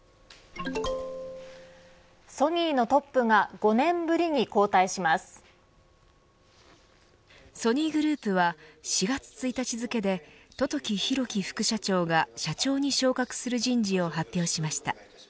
ソニーのトップが５年ぶりに交ソニーグループは４月１日付で、十時裕樹副社長が社長に昇格する人事を発表しました。